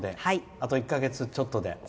あと１か月ちょっとで。